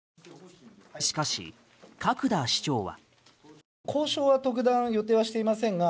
しかし角田市長は。